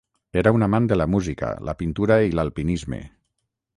Era un amant de la música, la pintura i l'alpinisme.